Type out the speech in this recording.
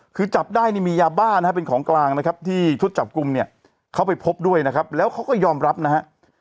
คือจับได้นี่มียาบ้านะฮะเป็นของกลางนะครับที่ชุดจับกลุ่มเนี่ยเขาไปพบด้วยนะครับแล้วเขาก็ยอมรับนะฮะ